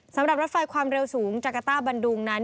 สำหรับรถไฟความเร็วสูงจักรต้าบันดุงนั้น